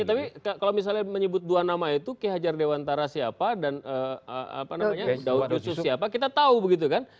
tapi kalau misalnya menyebut dua nama itu ki hajar dewantara siapa dan daudhusus siapa kita tahu begitu kan